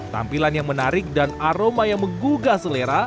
tampilan yang menarik dan aroma yang menggugah selera